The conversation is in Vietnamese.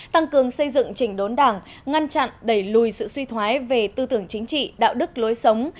tăng cường xây dựng trình đốn đảng ngăn chặn đẩy lùi sự suy thoái về tư tưởng chính trị đạo đức lối sống